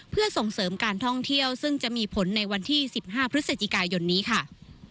เพื่อส่งเสริมการท่องเที่ยวซึ่งจะมีผลในวันที่๑๕พฤศจิกายนนี้ค่ะ